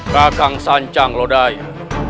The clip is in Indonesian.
kekang sancang lodaya